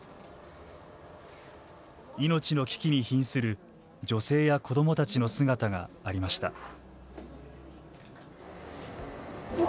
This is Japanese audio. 命の危機に瀕する女性や子どもたちの姿がありました。